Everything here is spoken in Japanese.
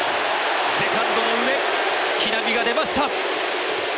セカンドの上、木浪が出ました。